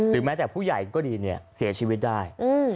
แม้แต่ผู้ใหญ่ก็ดีเนี่ยเสียชีวิตได้